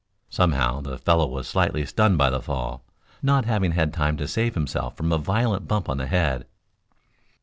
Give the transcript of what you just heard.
Somehow the fellow was slightly stunned by the fall, not having had time to save himself from a violent bump on the head.